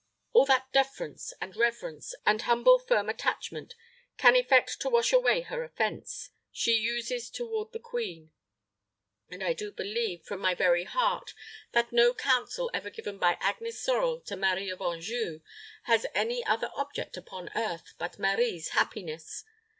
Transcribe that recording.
All that deference, and reverence, and humble, firm attachment can effect to wash away her offense, she uses toward the queen; and I do believe, from my very heart, that no counsel ever given by Agnes Sorel to Marie of Anjou has any other object upon earth but Marie's happiness.